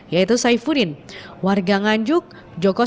yaitu saifuddin warga nganjuk joko chan